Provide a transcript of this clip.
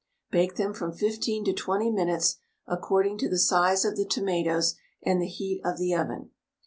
Bake them from 15 to 20 minutes, according to the size of the tomatoes and the heat of the oven.